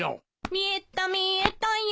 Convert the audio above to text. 「見えた見えたよ